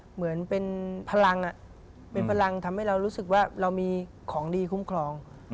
เหมือนเป็นพลังเป็นพลังทำให้เรารู้สึกว่าเรามีของดีคุ้มครอง